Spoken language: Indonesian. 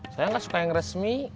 saya nggak suka yang resmi